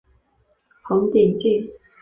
红点镜。